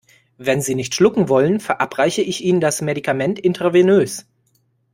Wenn Sie nicht schlucken wollen, verabreiche ich Ihnen das Medikament intravenös.